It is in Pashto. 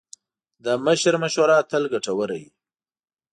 د مشر مشوره تل ګټوره وي.